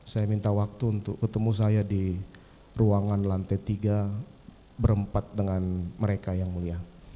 saya minta waktu untuk ketemu saya di ruangan lantai tiga berempat dengan mereka yang mulia